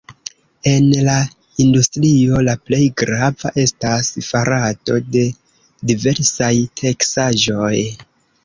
En la industrio la plej grava estas farado de diversaj teksaĵoj.